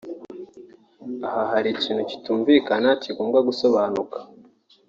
Aha hari ikintu kitumvikana kigomba gusobanuka